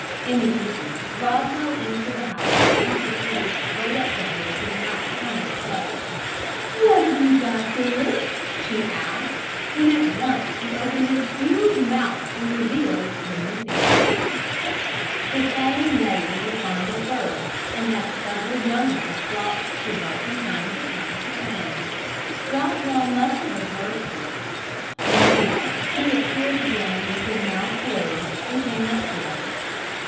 In the evening Rosswell entered the house and proceeded straight up to her with his mouth firmly closed. "What have you got there?" she asked, when he at once opened his huge mouth and revealed the missing bracelet. The same lady was fond of birds, and had several young ones brought to her from time to time to tame. Rosswell must have observed this. One day he appeared again with his mouth closed, and came up to her.